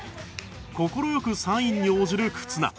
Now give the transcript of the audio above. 快くサインに応じる忽那